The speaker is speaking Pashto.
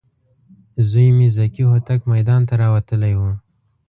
زوی مې ذکي هوتک میدان ته راوتلی و.